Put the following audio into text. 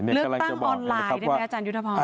เลือกตั้งออนไลน์ได้ไหมอาจารยุทธพร